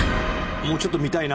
もうちょっと見たいな。